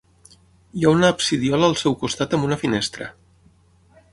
Hi ha una absidiola al seu costat amb una finestra.